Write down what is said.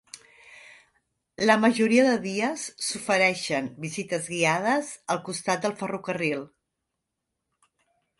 La majoria de dies s'ofereixen visites guiades al costat del ferrocarril.